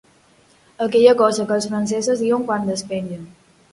Aquella cosa que els francesos diuen quan despengen.